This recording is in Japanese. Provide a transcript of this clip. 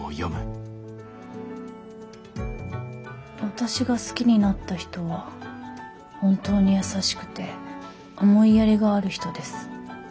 「私が好きになった人は本当に優しくて思いやりがある人です。